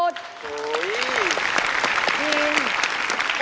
จริง